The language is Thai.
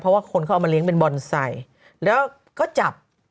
เพราะว่าคนเขาเอามาเลี้ยงเป็นบอนไซค์แล้วก็จับ